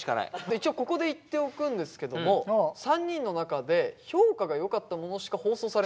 一応ここで言っておくんですけども３人の中で評価がよかったものしか放送されないみたい。